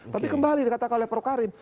tapi kembali dikatakan oleh prof karim